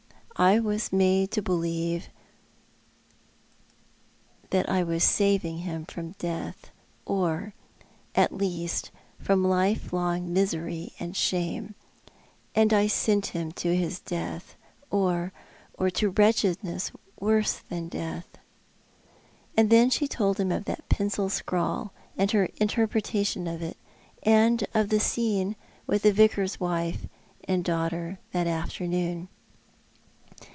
I was made to believe that I was 238 ThoiL art the Man. saving liira from death, or, at the least, from life long misery and shame. And I sent him to his death, or — or to wretchedness worse than death." And then she told him of that pencil scrawl, and her inter l^retation of it, and of the scene with the Vicar's wife and daughter that afternoon.